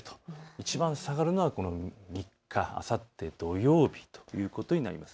いちばん下がるのは３日、あさって土曜日ということになります。